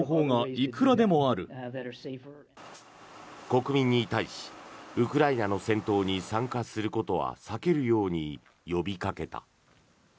国民に対しウクライナの戦闘に参加することは避けるように呼びかけた。